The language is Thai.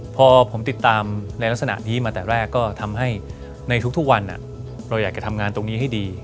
พอผมติดตามในลักษณะนี้มาแต่แรกก็ทำให้ในทุกวันเราอยากจะทำงานตรงนี้ให้ดี